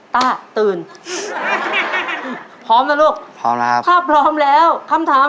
ตัวเลือดที่๓ม้าลายกับนกแก้วมาคอ